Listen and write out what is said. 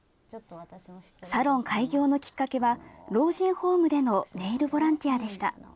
サロン開業のきっかけは、老人ホームでのネイルボランティアでした。